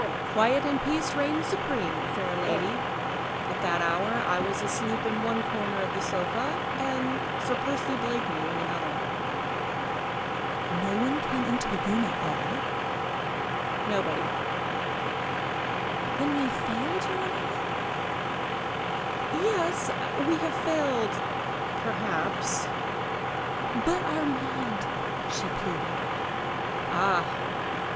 "Quiet and peace reigned supreme, fair lady; at that hour I was asleep in the corner of one sofa and Sir Percy Blakeney in another." "Nobody came into the room at all?" "Nobody." "Then we have failed, you and I? ..." "Yes! we have failed—perhaps ..." "But Armand?" she pleaded. "Ah!